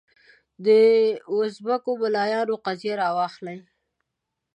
دوزبکو د ملایانو قضیه راواخلې.